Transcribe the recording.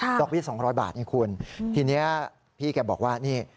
ดอกเบี้ย๒๐๐บาทไงคุณทีนี้พี่แกบอกว่านี่